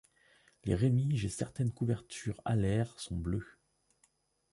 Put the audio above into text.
Les rémiges et certaines couvertures alaires sont bleues.